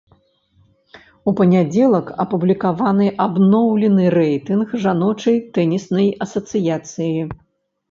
У панядзелак апублікаваны абноўлены рэйтынг жаночай тэніснай асацыяцыі.